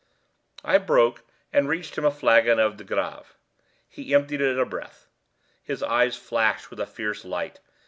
I broke and reached him a flagon of De Grâve. He emptied it at a breath. His eyes flashed with a fierce light.